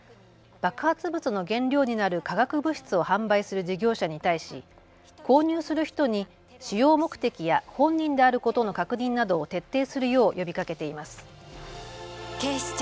爆発物の原料になる化学物質を販売する事業者に対し購入する人に使用目的や本人であることの確認などを徹底するよう呼びかけています。